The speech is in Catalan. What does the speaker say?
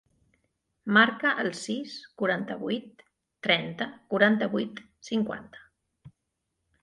Marca el sis, quaranta-vuit, trenta, quaranta-vuit, cinquanta.